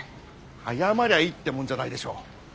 謝りゃいいってもんじゃないでしょ。